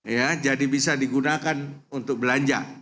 ya jadi bisa digunakan untuk belanja